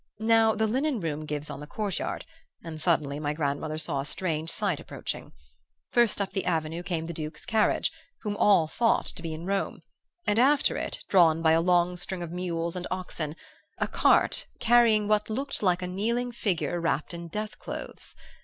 "Now the linen room gives on the court yard, and suddenly my grandmother saw a strange sight approaching. First up the avenue came the Duke's carriage (whom all thought to be in Rome), and after it, drawn by a long string of mules and oxen, a cart carrying what looked like a kneeling figure wrapped in death clothes.